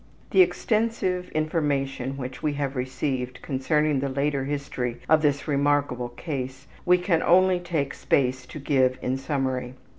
The extensive information which we have received concerning the later history of this remarkable case we can only take space to give in summary.